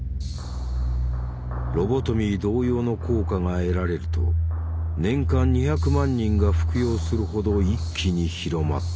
ロボトミー同様の効果が得られると年間２００万人が服用するほど一気に広まった。